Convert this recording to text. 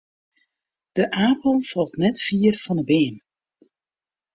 De apel falt net fier fan 'e beam.